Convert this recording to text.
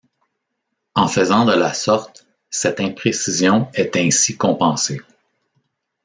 En faisant de la sorte, cette imprécision est ainsi compensée.